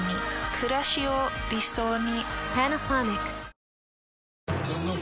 くらしを理想に。